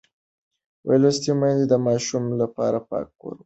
لوستې میندې د ماشوم لپاره پاک کور غواړي.